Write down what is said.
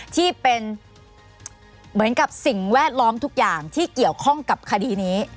ที่เป็นเหมือนกับสิ่งแวดล้อมทุกอย่างที่เกี่ยวข้องกับคดีนี้